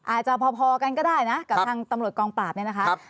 อาจจะพอกันก็ได้นะกับทางตำรวจกองปราบเนี่ยนะคะ